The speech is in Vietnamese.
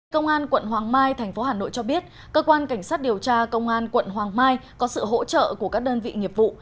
công an quận hoàng mai tp hà nội cho biết cơ quan cảnh sát điều tra công an quận hoàng mai có sự hỗ trợ của các đơn vị nghiệp vụ